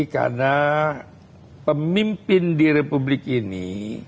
karena pemimpin di republik ini